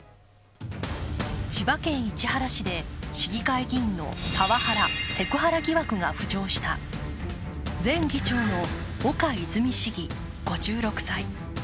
千葉県市原市で市議会議員のパワハラ・セクハラ疑惑が浮上した前議長の岡泉市議５６歳。